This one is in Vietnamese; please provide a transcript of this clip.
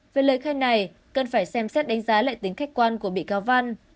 về lời khen này cần phải xem xét đánh giá lại tính khách quan của bị cáo văn